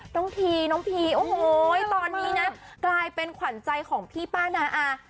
ทีน้องพีโอ้โหตอนนี้นะกลายเป็นขวัญใจของพี่ป้านาอา